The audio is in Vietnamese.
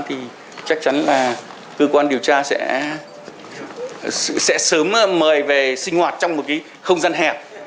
thì chắc chắn là cơ quan điều tra sẽ sớm mời về sinh hoạt trong một cái không gian hẹp